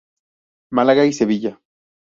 Málaga y Sevilla.